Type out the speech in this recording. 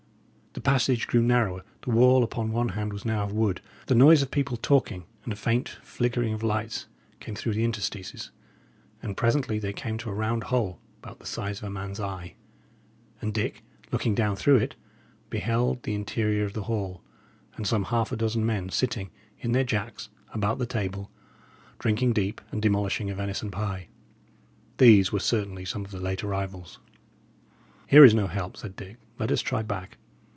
The passage grew narrower; the wall upon one hand was now of wood; the noise of people talking, and a faint flickering of lights, came through the interstices; and presently they came to a round hole about the size of a man's eye, and Dick, looking down through it, beheld the interior of the hall, and some half a dozen men sitting, in their jacks, about the table, drinking deep and demolishing a venison pie. These were certainly some of the late arrivals. "Here is no help," said Dick. "Let us try back."